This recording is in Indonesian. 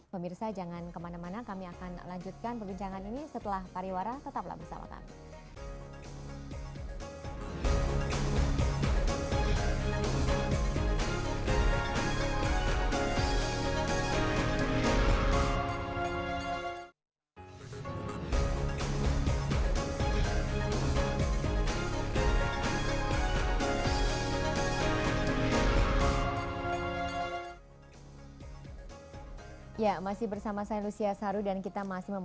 pemirsa jangan kemana mana kami akan lanjutkan perbincangan ini setelah pariwara tetaplah bersama kami